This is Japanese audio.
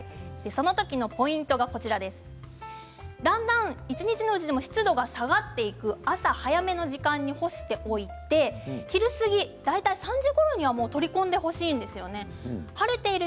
その時のポイントは一日のうちでも湿度が下がっていく朝早めの時間に干しておいて昼過ぎ、大体３時ころには取り込んでほしいですね。